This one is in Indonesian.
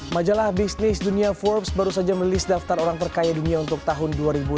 majalah bisnis dunia forbes baru saja melis daftar orang terkaya dunia untuk tahun dua ribu delapan belas